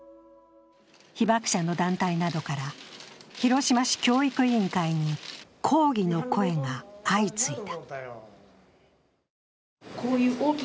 被爆者の団体などから広島市教育委員会に抗議の声が相次いだ。